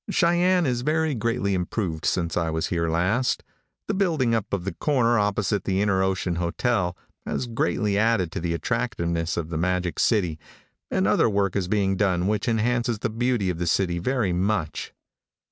Cheyenne is very greatly improved since I was here last. The building up of the corner opposite the Inter Ocean hotel has added greatly to the attractiveness of the Magic City, and other work is being done which enhances the beauty of the city very much.